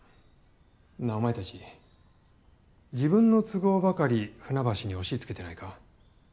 なあお前たち自分の都合ばかり船橋に押しつけてないか？